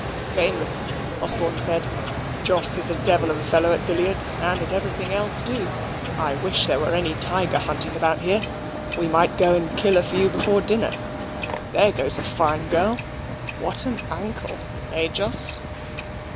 "Famous," Osborne said. "Jos is a devil of a fellow at billiards, and at everything else, too. I wish there were any tiger hunting about here! we might go and kill a few before dinner. (There goes a fine girl! what an ankle, eh, Jos?)